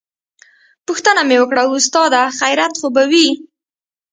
پوښتنه مې وکړه استاده خيريت خو به وي.